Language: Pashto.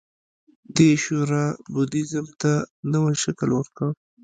دې شورا بودیزم ته نوی شکل ورکړ